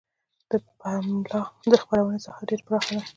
د پملا د خپرونو ساحه ډیره پراخه ده.